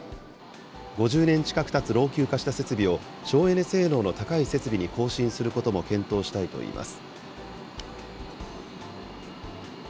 ５０年近くたつ老朽化した設備を、省エネ性能の高い設備に更新することも検討したいと言います。